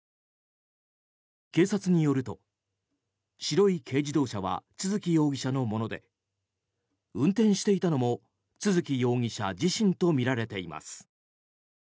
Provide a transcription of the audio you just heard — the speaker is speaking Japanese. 警察によると、白い軽自動車は都築容疑者のもので運転していたのも都築容疑者自身とみられています。